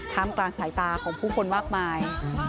มกลางสายตาของผู้คนมากมาย